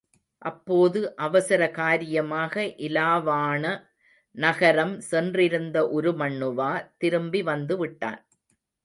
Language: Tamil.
அப்போது அவசர காரியமாக இலாவாண நகரம் சென்றிருந்த உருமண்ணுவா திரும்பி வந்து விட்டான்.